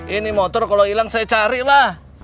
ini motor kalau hilang saya carilah